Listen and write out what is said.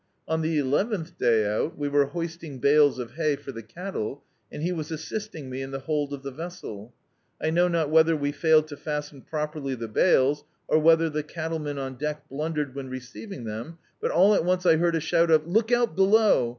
On the eleventh day out, we were hoisting bales of hay for the cattle, and he was assisting me in the bold of the vessel. I know not whether we failed to fasten properly the bales, or whether the cattlemen on dedc blundered when receiving them, but all at once I heard a shout of — 'Look out, below